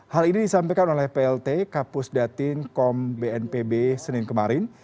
hal ini disampaikan oleh plt kapus datin kom bnpb senin kemarin